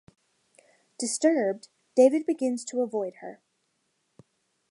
Disturbed, David begins to avoid her.